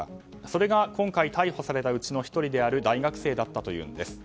それが今回逮捕されたうちの１人である大学生だったというんです。